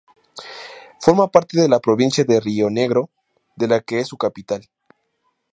Forma parte de la provincia de Rionegro, de la que es su capital.